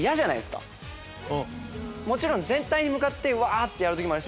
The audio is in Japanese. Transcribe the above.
もちろん全体に向かってわ！ってやる時もあるし